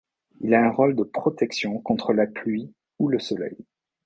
Il a un rôle de protection contre la pluie ou le Soleil.